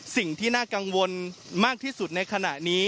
สิ่งที่น่ากังวลมากที่สุดในขณะนี้